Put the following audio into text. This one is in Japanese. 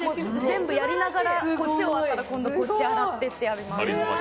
はいこっち終わったら今度こっち洗ってってやります